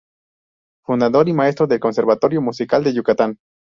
Fundador y maestro del Conservatorio Musical de Yucatán.